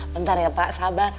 bentar ya pak sabar